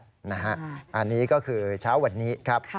อันนี้ก็คือเช้าวันนี้ครับ